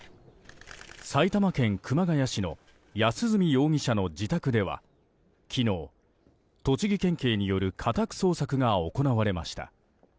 埼玉県熊谷市の安栖容疑者の自宅では昨日、栃木県警による家宅捜索が行われました。